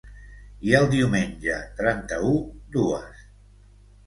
I el diumenge, trenta-u, dues.